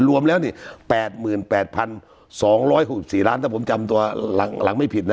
รวมแล้วนี่แปดหมื่นแปดพันสองร้อยหกสี่ล้านถ้าผมจำตัวหลังหลังไม่ผิดน่ะ